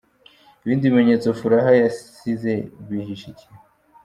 Ibindi bimenyetso Furaha yasize bihishe iki?